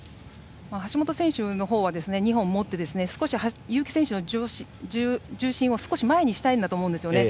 橋本選手のほうは２本持ち少し結城選手の重心を前にしたいんだと思うんですよね。